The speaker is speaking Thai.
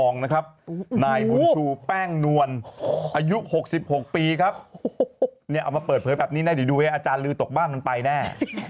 เนี่ยเอามาเปิดเผยแบบนี้ได้ดูไว้อาจารย์ลือตกบ้านมันไปแน่